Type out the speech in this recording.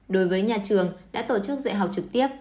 đối với nhà trường đã tổ chức dạy học trực tiếp